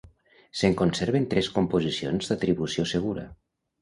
Se'n conserven tres composicions d'atribució segura.